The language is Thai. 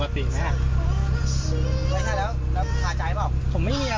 ครับที่เรานำแรงให้แรง